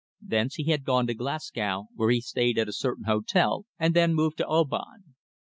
Thence he had gone to Glasgow, where he stayed at a certain hotel, and then moved to Oban.